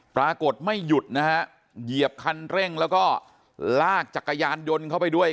ปรากฏไม่หยุดนะฮะเหยียบคันเร่งแล้วก็ลากจักรยานยนต์เข้าไปด้วย